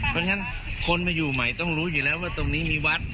เพราะฉะนั้นคนมาอยู่ใหม่ต้องรู้อยู่แล้วว่าตรงนี้มีวัด